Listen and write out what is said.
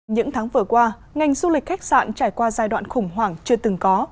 những tháng vừa qua ngành du lịch khách sạn trải qua giai đoạn khủng hoảng chưa từng có